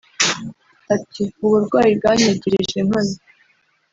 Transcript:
Ati “Uburwayi bwanyigirije nkana